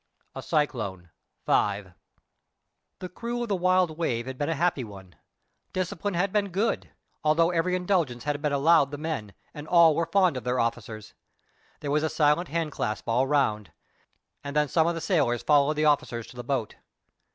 A CYCLONE.—V. The crew of the Wild Wave had been a happy one. Discipline had been good, although every indulgence had been allowed the men, and all were fond of their officers. There was a silent hand clasp all round, and then some of the sailors followed the officers to the boat.